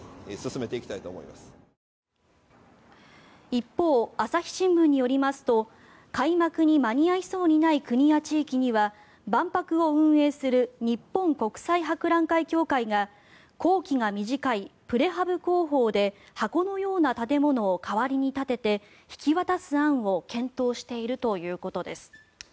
一方、朝日新聞によりますと開幕に間に合いそうにない国や地域には万博を運営する日本国際博覧会協会が工期が短いプレハブ工法で箱のような建物を代わりに建てて引き渡す案を検討しているということです。